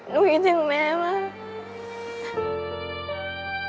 คิดถึงแม่มาก